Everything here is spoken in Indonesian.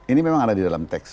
ini memang ada di dalam teks